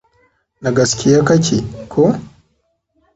Da gaskiye kake, ko?